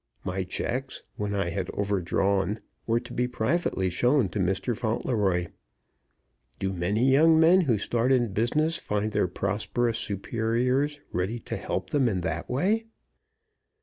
My checks, when I had overdrawn, were to be privately shown to Mr. Fauntleroy. Do many young men who start in business find their prosperous superiors ready to help them in that way?